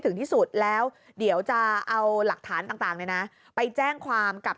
ถึงที่สุดแล้วเดี๋ยวจะเอาหลักฐานต่างเนี่ยนะไปแจ้งความกับ